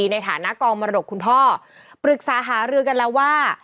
ในฐานะกองมรดกคุณพ่อปรึกษาหารือกันแล้วว่า